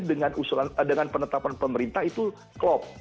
dengan penetapan pemerintah itu klop